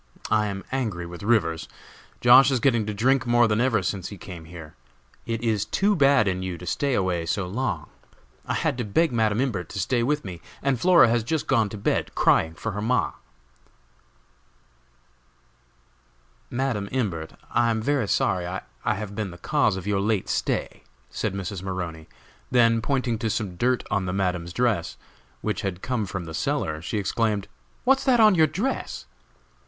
I am angry with Rivers. Josh. is getting to drink more than ever since he came here. It is too bad in you to stay away so long! I had to beg Madam Imbert to stay with me, and Flora has just gone to bed crying for her ma!" "Madam Imbert, I am very sorry I have been the cause of your late stay," said Mrs. Maroney. Then, pointing to some dirt on the Madam's dress which had come from the cellar she exclaimed: "What's that on your dress?"